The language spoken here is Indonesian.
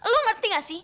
lo ngerti gak sih